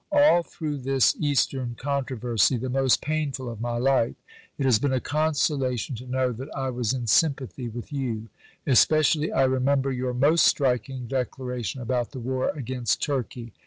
All through this Eastern controversy, the most painful of my life, it has been a consolation to know that I was in sympathy with you especially I remember your most striking declaration about the war against Turkey.